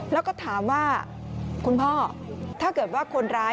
แล้วก็ถามว่าคุณพ่อถ้าเกิดว่าคนร้าย